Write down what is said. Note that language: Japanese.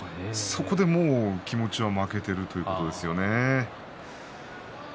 そこでもう気持ちは負けているということですよね。